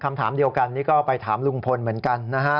คำถามเดียวกันนี่ก็ไปถามลุงพลเหมือนกันนะฮะ